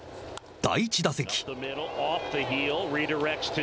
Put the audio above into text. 第１打席。